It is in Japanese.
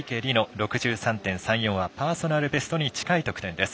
６３．３４はパーソナルベストに近い得点です。